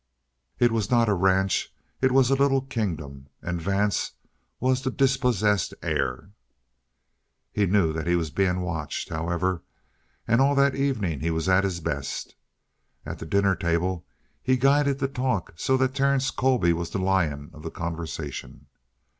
It was not a ranch; it was a little kingdom. And Vance was the dispossessed heir. He knew that he was being watched, however, and all that evening he was at his best. At the dinner table he guided the talk so that Terence Colby was the lion of the conversation.